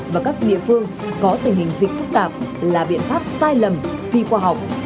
và các địa phương có tình hình dịch phức tạp là biện pháp sai lầm phi khoa học